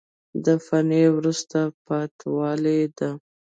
دا فني وروسته پاتې والی ده.